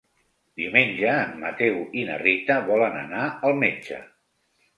Diumenge en Mateu i na Rita volen anar al metge.